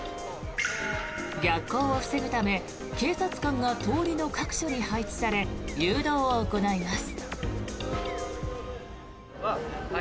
逆行を防ぐため警察官が通りの各所に配置され誘導を行います。